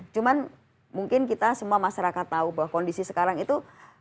cuman mungkin kita semua masyarakat tahu bahwa kondisi sekarang itu